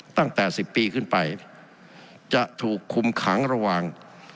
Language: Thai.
ตั้งแต่๑๐ปีขึ้นไปจะถูกคุมขังระหว่าง